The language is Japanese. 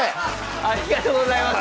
ありがとうございます。